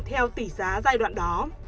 theo tỷ giá giai đoạn đó